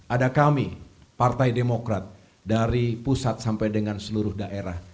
ada kami partai demokrat dari pusat sampai dengan seluruh daerah